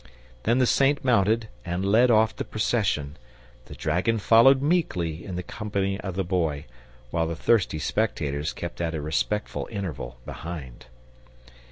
Then the Saint mounted and led off the procession, the dragon following meekly in the company of the Boy, while the thirsty spectators kept at a respectful interval behind.